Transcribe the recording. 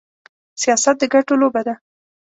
سياست د ګټو لوبه ده.